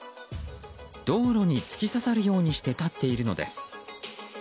道路に突き刺さるようにして立っているのです。